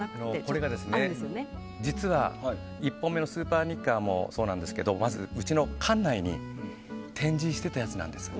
これが実は１本目のスーパーニッカもそうですけどまずうちの館内に展示していたやつなんです。